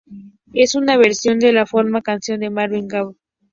Es una versión de la famosa canción de Marvin Gaye.